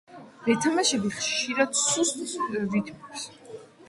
ვეთამაშები ხშირად სუსტ რითმებს.